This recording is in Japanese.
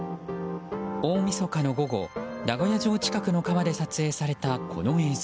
大みそかの午後名古屋城近くの川で撮影されたこの映像。